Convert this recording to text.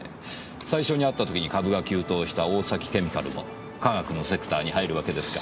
最初に会った時に株が急騰した大崎ケミカルも化学のセクターに入るわけですか。